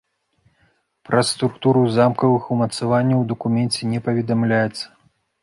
Пра структуру замкавых умацаванняў у дакуменце не паведамляецца.